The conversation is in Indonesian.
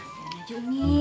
jangan aja umi